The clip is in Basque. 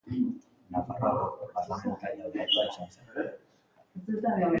Nafarroako parlamentari hautatua izan zen.